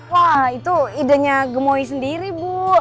wah itu idenya gemoy sendiri bu